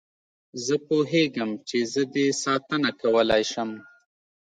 زه پوهېږم چې زه دې ساتنه کولای شم.